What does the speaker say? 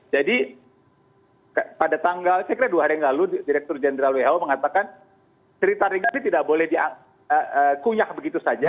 jadi pada tanggal saya kira dua hari yang lalu direktur jenderal who mengatakan cerita ringan ini tidak boleh dikunyah begitu saja